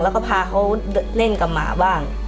แล้วก็พาเขาเล่นกับหมาบ้าง